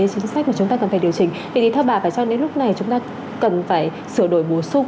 chính sách mà chúng ta cần phải điều chỉnh vậy thì theo bà phải cho đến lúc này chúng ta cần phải sửa đổi bổ sung